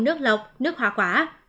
nước lọc nước hỏa quả